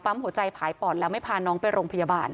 หัวใจผายปอดแล้วไม่พาน้องไปโรงพยาบาล